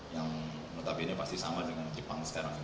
yang notabene pasti sama dengan jepang sekarang